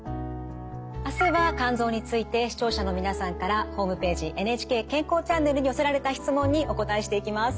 明日は肝臓について視聴者の皆さんからホームページ「ＮＨＫ健康チャンネル」に寄せられた質問にお答えしていきます。